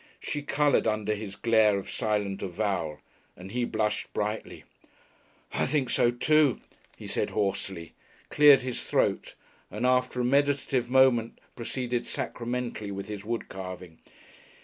She coloured under his glare of silent avowal, and he blushed brightly. "I think so, too," he said hoarsely, cleared his throat, and after a meditative moment proceeded sacramentally with his wood carving.